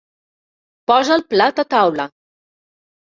Posa el plat a taula.